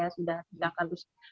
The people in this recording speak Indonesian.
sudah sedang lakukan